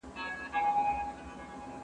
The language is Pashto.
محرمیت د انساني کرامت ساتنه کوي.